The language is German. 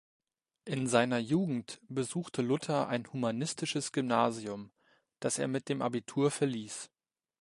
In seiner Jugend besuchte Luther ein humanistisches Gymnasium, das er mit dem Abitur verließ.